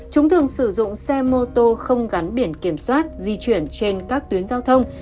chúng thường sử dụng xe mô tô không gắn biển kiểm soát di chuyển trên các tuyến giao thông